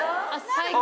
最高。